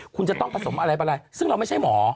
คุณจะต้องผสมอะไรไปอะไรซึ่งเราไม่ใช่หมอ